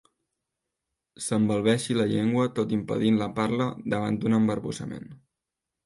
S'embalbeixi la llengua tot impedint la parla davant d'un embarbussament.